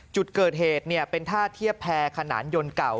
จุดเกิดเหตุเป็นท่าเทียบแพรขนานยนต์เก่า